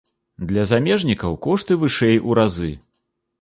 Для замежнікаў кошты вышэй у разы.